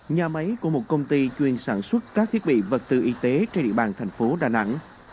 nhà máy của một công ty chuyên sản xuất các thiết bị vật tư y tế trên địa bàn thành phố đà nẵng